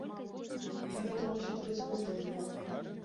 І гэта мусіць быць выпраўлена.